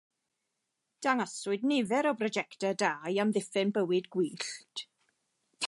Dangoswyd nifer o brojectau da i amddiffyn bywyd gwyllt.